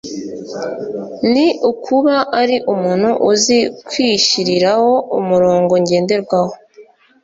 ni ukuba ari umuntu uzi kwishyiriraho umurongo ngenderwaho